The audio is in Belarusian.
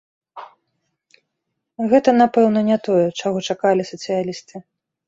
Гэта, напэўна, не тое, чаго чакалі сацыялісты.